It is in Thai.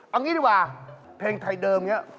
เอางี้ดีกว่าเพลงไทยเดิมอย่างนี้